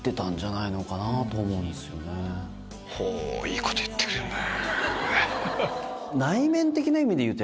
いいこと言ってくれるね。